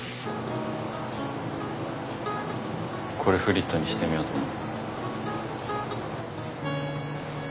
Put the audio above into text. これフリットにしてみようと思って。